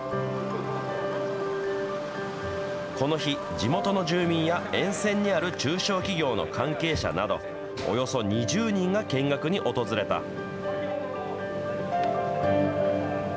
この日、地元の住民や、沿線にある中小企業の関係者など、およそ２０人が見学に訪れた。